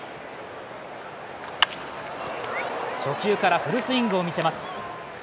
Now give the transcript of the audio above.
初球からフルスイングを見せます。